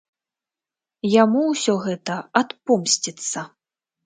Яму ўсё гэта адпомсціцца.